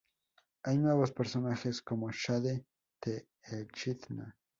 Hay nuevos personajes como Shade the Echidna.